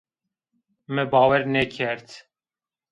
Mi bawer nêkerd